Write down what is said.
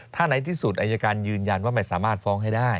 ถ้าในที่สุดอายการยืนยันว่าไม่สามารถฟ้องให้ได้